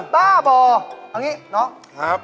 ป้าบ่ออังนี้น้องครับ